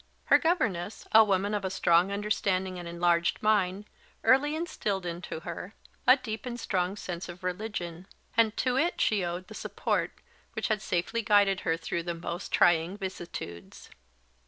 Her governess, a woman of a strong understanding and enlarged mind, early instilled into her a deep and strong sense of religion; and to it she owed the support which had safely guided her through the most trying vicissitudes.